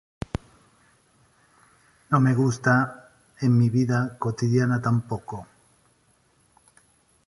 No me gusta en mi vida cotidiana tampoco.